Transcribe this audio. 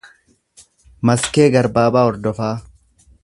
Maskee Garbaabaa Hordofaa